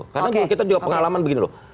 karena kita juga pengalaman begini loh